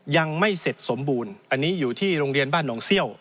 ยังไม่เสร็จสมบูรณ์อันนี้อยู่ที่โรงเรียนบ้านหนองเซี่ยว